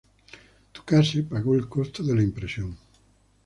Ducasse pagó el costo de la impresión.